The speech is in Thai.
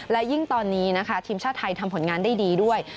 และยิ่งตอนนี้นะคะทีมชาติไทยทำผลงานได้ดีด้วย